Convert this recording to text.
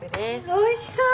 おいしそう！